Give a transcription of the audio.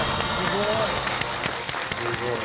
すごい。